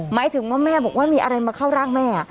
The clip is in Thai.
หมายถึงว่าแม่บอกว่ามีอะไรมาเข้าร่างแม่